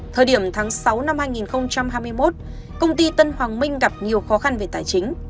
thời điểm tháng sáu năm hai nghìn hai mươi một công ty tân hoàng minh gặp nhiều khó khăn về tài chính